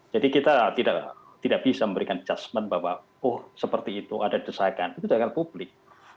kita tidak bisa memberikan judgement bahwa oh seperti itu ada desakan itu dengan publik